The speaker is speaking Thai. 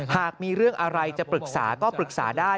หากมีเรื่องอะไรจะปรึกษาก็ปรึกษาได้